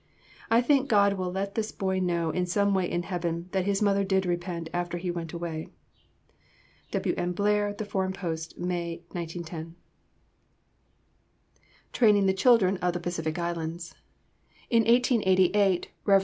I think God will let this boy know in some way in heaven that his mother did repent after he went away. (W. N. Blair, The Foreign Post, May, 1910.) TRAINING THE CHILDREN OF THE PACIFIC ISLANDS In 1888, Rev. W.